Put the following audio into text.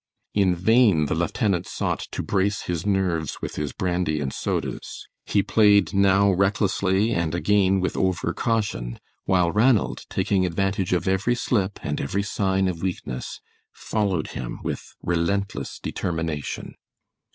In vain the lieutenant sought to brace his nerves with his brandy and sodas. He played now recklessly and again with over caution, while Ranald, taking advantage of every slip and every sign of weakness, followed him with relentless determination.